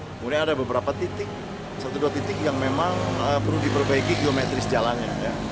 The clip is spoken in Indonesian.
kemudian ada beberapa titik satu dua titik yang memang perlu diperbaiki geometris jalannya